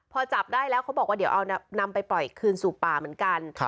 พอจับได้แล้วเขาบอกว่าเดี๋ยวเอานำไปปล่อยคืนสู่ป่าเหมือนกัน